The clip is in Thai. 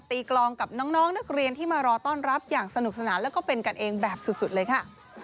กลองกับน้องนักเรียนที่มารอต้อนรับอย่างสนุกสนานแล้วก็เป็นกันเองแบบสุดเลยค่ะ